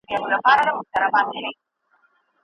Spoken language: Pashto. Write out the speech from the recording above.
د ملاتړ او حضور ارزښت ژوند ته معنا ورکوي.